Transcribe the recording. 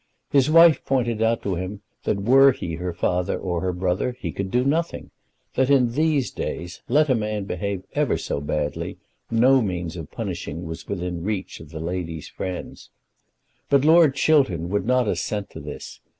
His wife pointed out to him that were he her father or her brother he could do nothing, that in these days let a man behave ever so badly, no means of punishing was within reach of the lady's friends. But Lord Chiltern would not assent to this.